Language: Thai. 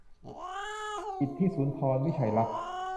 อิทธิสุนทร วิชัยลักษณ์